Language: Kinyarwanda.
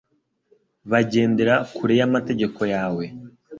bagendera kure y’amategeko yawe